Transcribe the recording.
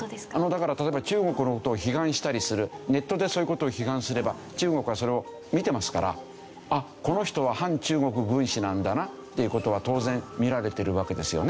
だから例えば中国の事を批判したりするネットでそういう事を批判すれば中国はそれを見てますからこの人は反中国分子なんだなっていう事は当然見られてるわけですよね。